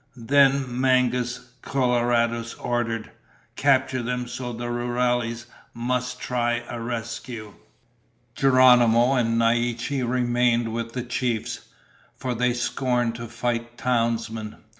Then Mangus Coloradus ordered: "Capture them so the rurales must try a rescue." Geronimo and Naiche remained with the chiefs, for they scorned to fight townsmen.